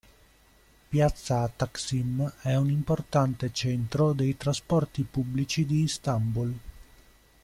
Piazza Taksim è un importante centro dei trasporti pubblici di Istanbul.